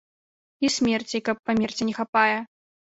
І смерці, каб памерці, не хапае!